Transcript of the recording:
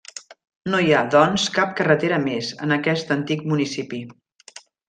No hi ha, doncs, cap carretera més, en aquest antic municipi.